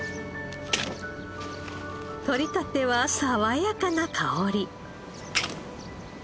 とりたては爽やかな香り。